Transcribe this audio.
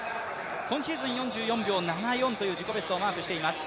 今シーズン４４秒７４という自己ベストをマークしています。